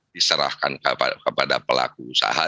diserahkan kepada pelaku usaha